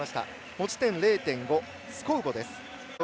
持ち点０．５、スコウボです。